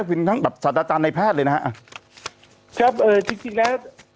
เป็นทั้งแบบสัตว์อาจารย์ในแพทย์เลยนะฮะอ่ะครับเอ่อจริงจริงแล้ว